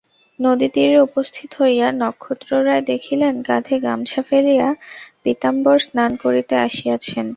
নদীতীরে উপস্থিত হইয়া নক্ষত্ররায় দেখিলেন, কাঁধে গামছা ফেলিয়া পীতাম্বর স্নান করিতে আসিয়াছেন।